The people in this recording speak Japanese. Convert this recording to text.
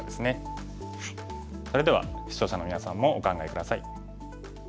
それでは視聴者のみなさんもお考え下さい。